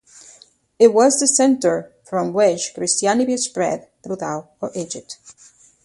It was the centre from which Christianity spread throughout all Egypt.